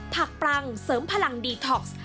ผักปลังเสริมพลังดีท็อกซ์